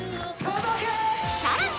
さらに